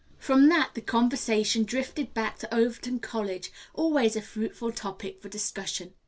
From that the conversation drifted back to Overton College, always a fruitful topic for discussion.